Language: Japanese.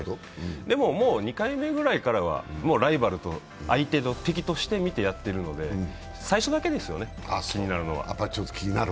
でも、もう２回目くらいからはライバルと、相手、敵として見てやってるので最初だけですよね、気になるのは。